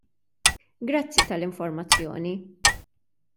Grazzi tal-informazzjoni.